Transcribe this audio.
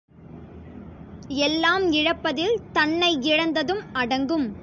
எல்லாம் இழப்பதில் தன்னை இழந்ததும் அடங்கும்.